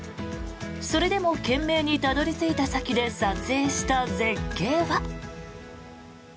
それでも懸命にたどり着いた先で撮影した絶景は。